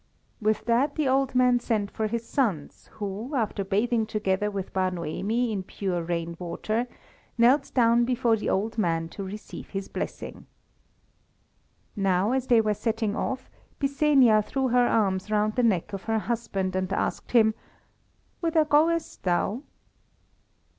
With that the old man sent for his sons, who, after bathing together with Bar Noemi in pure rain water, knelt down before the old man to receive his blessing. Now as they were setting off, Byssenia threw her arms round the neck of her husband and asked him "Whither goest thou?"